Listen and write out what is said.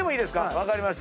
分かりました。